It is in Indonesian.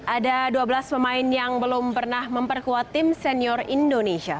ada dua belas pemain yang belum pernah memperkuat tim senior indonesia